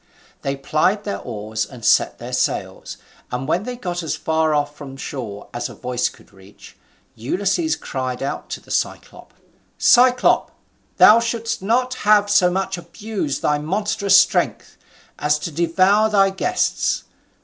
They plied their oars, and set their sails, and when they were got as far off from shore as a voice could reach, Ulysses cried out to the Cyclop: "Cyclop, thou shouldst not have so much abused thy monstrous strength, as to devour thy guests.